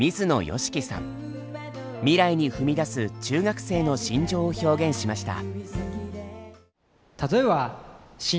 未来に踏み出す中学生の心情を表現しました。